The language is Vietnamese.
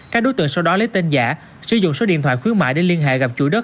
các đối tượng sau đó lấy tên giả sử dụng số điện thoại khuyến mại để liên hệ gặp chủ đất